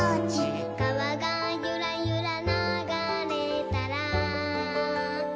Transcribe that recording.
「かわがゆらゆらながれたら」